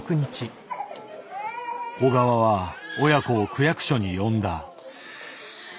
小川は親子を区役所に呼んだ。